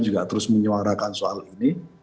juga terus menyuarakan soal ini